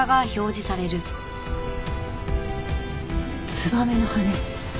ツバメの羽根。